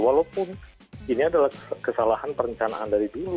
walaupun ini adalah kesalahan perencanaan dari dulu